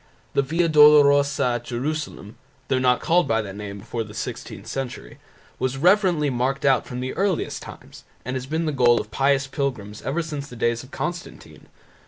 The Via Dolorosa at Jerusalem (though not called by that name before the sixteenth century) was reverently marked out from the earliest times and has been the goal of pious pilgrims ever since the days of Constantine.